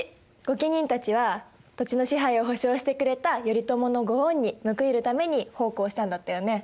御家人たちは土地の支配を保証してくれた頼朝の御恩に報いるために奉公したんだったよね。